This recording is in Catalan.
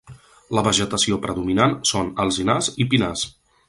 La vegetació predominant són alzinars i pinars.